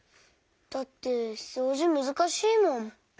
だってそうじむずかしいもん。